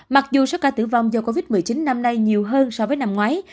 mặc dù số ca tử vong do covid một mươi chín năm nay nhiều hơn so với năm ngoái